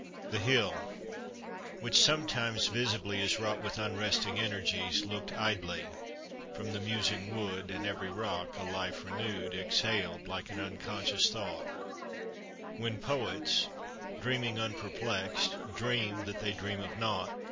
The hill, which sometimes visibly is Wrought with unresting energies, Looked idly; from the musing wood, And every rock, a life renewed Exhaled like an unconscious thought When poets, dreaming unperplexed, Dream that they dream of nought.